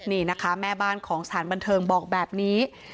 นี่นะคะแม่บ้านของสถานบันเทิงบอกแบบนี้